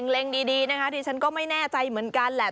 เล็งดีนะคะดิฉันก็ไม่แน่ใจเหมือนกันแหละ